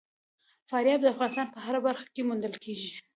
فاریاب د افغانستان په هره برخه کې موندل کېږي.